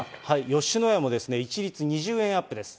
吉野家も一律２０円アップです。